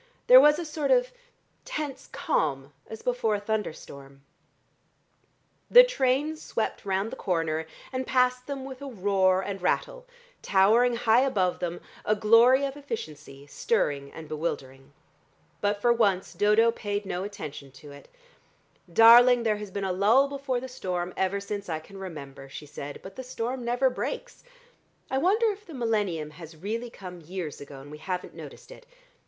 There was a sort of tense calm, as before a thunderstorm " The train swept round the corner and passed them with a roar and rattle, towering high above them, a glory of efficiency, stirring and bewildering. But for once Dodo paid no attention to it. "Darling, there has been a lull before the storm ever since I can remember," she said, "but the storm never breaks. I wonder if the millennium has really come years ago, and we haven't noticed it.